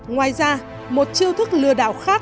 ngoài ra một chiêu thức lừa đảo khác